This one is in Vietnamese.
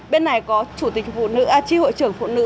bên này có tri hội trưởng phụ nữ